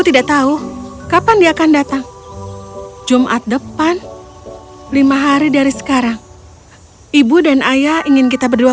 tidak tahu kapan dia akan datang jumat depan lima hari dari sekarang ibu dan ayah ingin kita berdua